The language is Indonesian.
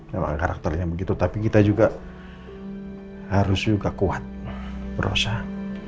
memang karakternya begitu tapi kita juga harus juga kuat berusaha